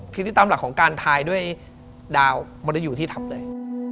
คือตามหลักของการทายด้วยดาวมันจะอยู่ที่ทัพเลย